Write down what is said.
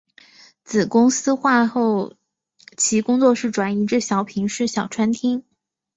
子公司化之后其工作室转移至小平市小川町。